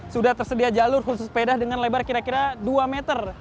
sudah tersedia jalur khusus sepeda dengan lebar kira kira dua meter